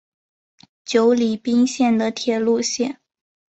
久里滨线的铁路线。